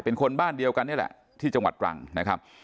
เป็นคนบ้านเดียวกันนี่แหละที่จังหวัดตรังนะครับ